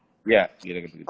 iya kira kira demikian